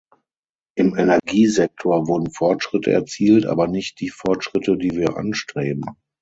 Im Energiesektor wurden Fortschritte erzielt, aber nicht die Fortschritte, die wir anstreben.